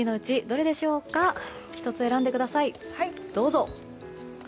どうぞ！